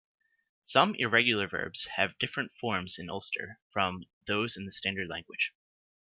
Some irregular verbs have different forms in Ulster from those in the standard language.